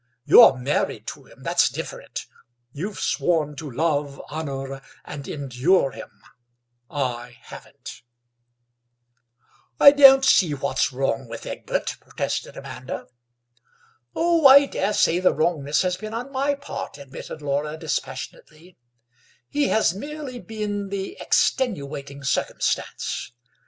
You're married to him—that's different; you've sworn to love, honour, and endure him: I haven't." "I don't see what's wrong with Egbert," protested Amanda. "Oh, I daresay the wrongness has been on my part," admitted Laura dispassionately; "he has merely been the extenuating circumstance.